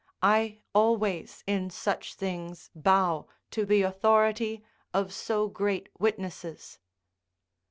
I always in such things bow to the authority of so great witnesses.